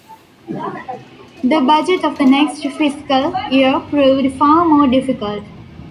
The budget for the next fiscal year proved far more difficult.